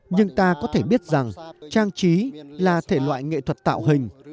nhưng ta có thể biết rằng trang trí là thể loại nghệ thuật tạo hình